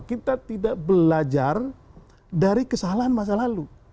kita tidak belajar dari kesalahan masa lalu